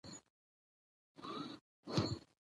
زموږ په خونه کې ګرم توژم ده او زړه مې پکي تنګ ده.